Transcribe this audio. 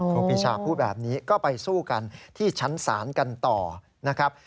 ครูปีชาพูดแบบนี้ก็ไปสู้กันที่ชั้นศาลกันต่อนะครับ